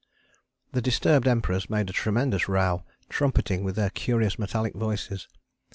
] The disturbed Emperors made a tremendous row, trumpeting with their curious metallic voices.